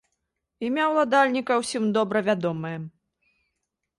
Імя ўладальніка ўсім добра вядомае.